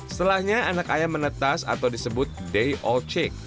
setelahnya anak ayam menetas atau disebut day old chick